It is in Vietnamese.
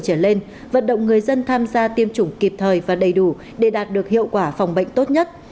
trở lên vận động người dân tham gia tiêm chủng kịp thời và đầy đủ để đạt được hiệu quả phòng bệnh tốt nhất